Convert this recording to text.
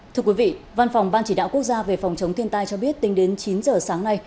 thưa quý vị văn phòng ban chỉ đạo quốc gia về phòng chống thiên tai cho biết tính đến chín giờ sáng nay